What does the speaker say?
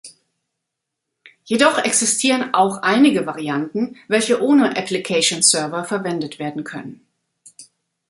Jedoch existieren auch einige Varianten, welche ohne Application-Server verwendet werden können.